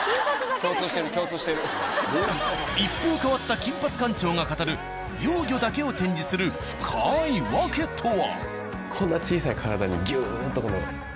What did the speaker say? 一風変わった金髪館長が語る幼魚だけを展示する深いわけとは？